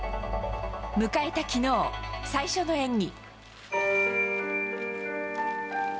迎えた昨日、最初の演技。